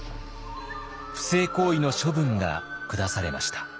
不正行為の処分が下されました。